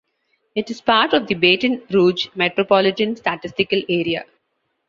It is part of the Baton Rouge Metropolitan Statistical Area.